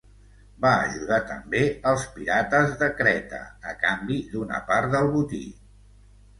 Va ajudar també als pirates de Creta a canvi d'una part del botí.